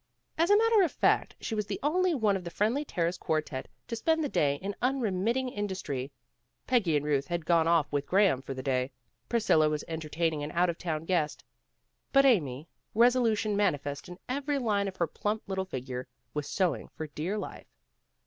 As a matter of fact she was the only one of the Friendly Terrace quartette to spend the day in unremitting industry. Peggy and Ruth had gone off with Graham for the day. Priscilla was entertaining an out of town guest. But Amy, resolution manifest in every Hue of her plump little figure, was sew ing for dear life.